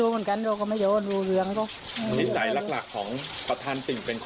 อืมช่วยเดือดชาวบ้าน